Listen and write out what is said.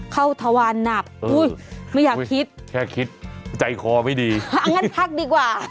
ทวารหนักไม่อยากคิดแค่คิดใจคอไม่ดีเอางั้นพักดีกว่า